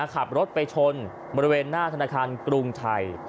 ขับรถไปชนบริเวณหน้าธนาคารกรุงไทย